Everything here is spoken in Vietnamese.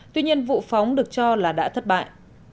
tuy nhiên vụ phóng được cho là đã thất bại